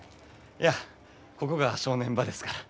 いやここが正念場ですから。